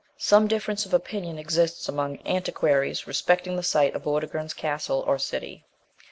Some difference of opinion exists among antiquaries respecting the site of vortigern's castle or city.